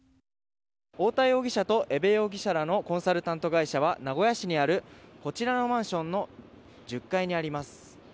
太田容疑者と江部容疑者らのコンサルタント会社は名古屋市にあるこちらのマンションの１０階にあります。